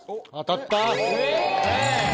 「当たった！」